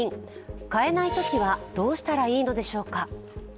買えないときはどうしたらいいのでしょうか。